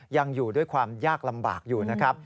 ยังอยู่ด้วยความยากลำบากอยู่นะครับ